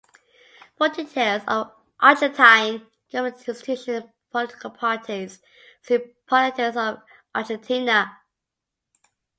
For details of Argentine government institutions and political parties, see Politics of Argentina.